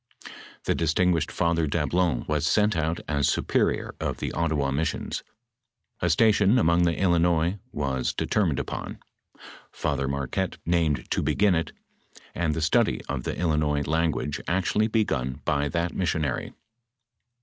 The distinguished Father Dablon was sent out as superior of the Ottawa missions. A station among the Illinois was determined upon. Father Marquette named to begin it, and the study of the Illinois language actually begun by that missionary.